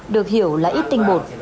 được hiểu là ít tinh bột